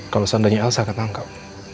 kalau sandanya elsa akan tangkap